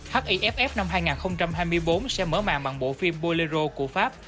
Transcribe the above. hiff năm hai nghìn hai mươi bốn sẽ mở màn bằng bộ phim bolero của pháp